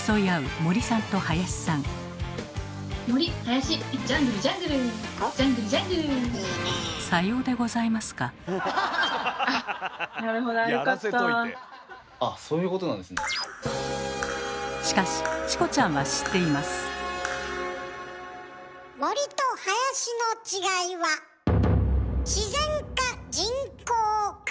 森と林の違いは自然か人工か。